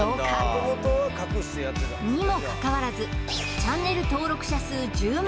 最近ではにもかかわらずチャンネル登録者数１０万